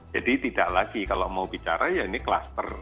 jadi tidak lagi kalau mau bicara ya ini kluster